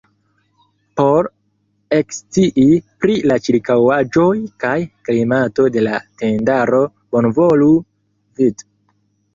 Por ekscii pri la ĉirkaŭaĵoj kaj klimato de la tendaro bonvolu vd.